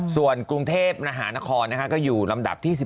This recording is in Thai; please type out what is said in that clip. ส่วนกรุงเทพมหานครก็อยู่ลำดับที่๑๑